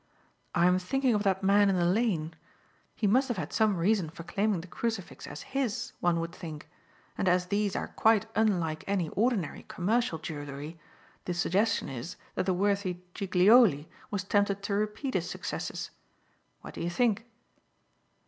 "I am thinking of that man in the lane. He must have had some reason for claiming the crucifix as his, one would think; and as these are quite unlike any ordinary commercial jewellery, the suggestion is that the worthy Giglioli was tempted to repeat his successes. What do you think?"